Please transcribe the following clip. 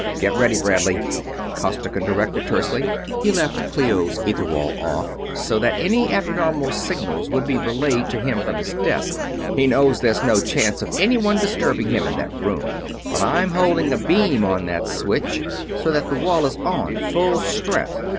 "Get ready, Bradley!" Costigan directed tersely. "He left Clio's ether wall off, so that any abnormal signals would be relayed to him from his desk he knows that there's no chance of anyone disturbing him in that room. But I'm holding a beam on that switch, so that the wall is on, full strength.